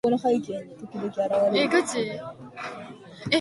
Late frosts can damage the flower buds, resulting in misshapen flowers.